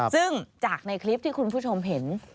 ซึ่งจากในคลิปที่คุณผู้ชมเห็น